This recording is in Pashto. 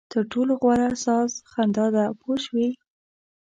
تر ټولو غوره ساز خندا ده پوه شوې!.